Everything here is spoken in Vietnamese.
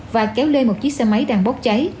và kéo lên một chiếc xe máy đang bóc cháy